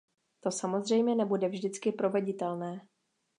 To samozřejmě nebude vždycky proveditelné.